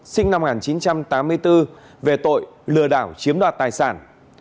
sinh năm một nghìn chín trăm tám mươi bốn về tội lừa đảo chiếm đoạt tài sản